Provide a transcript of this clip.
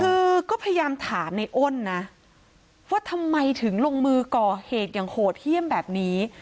คือก็พยายามถามในอ้นนะว่าทำไมถึงลงมือก่อเหตุอย่างโหดเยี่ยมแบบนี้